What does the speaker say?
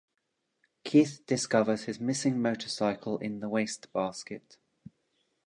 Keith discovers his missing motorcycle in the wastebasket.